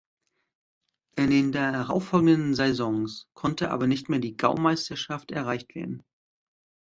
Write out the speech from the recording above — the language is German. In den darauf folgenden Saisons konnte aber nicht mehr die Gaumeisterschaft erreicht werden.